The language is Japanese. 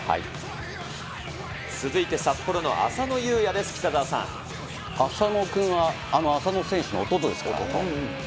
続いて札幌の浅野雄也です、浅野君はあの浅野選手の弟です。